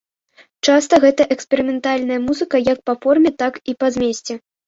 Часта гэта эксперыментальная музыка, як па форме, так і па змесце.